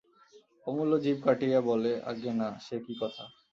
অমূল্য জিভ কাটিয়া বলে, আজ্ঞে না, সে কী কথা!